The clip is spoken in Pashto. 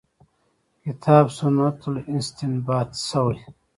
کتاب سنت استنباط شوې.